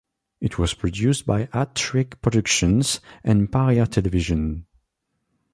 It was produced by Hat Trick Productions and Pariah Television.